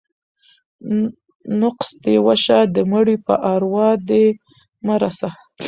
ـ نقص دې وشه ، د مړي په اروا دې مه رسه.